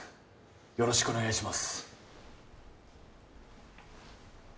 よろしくお願いします